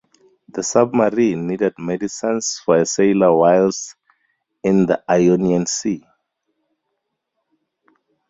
The submarine needed medicines for a sailor whilst in the Ionian Sea.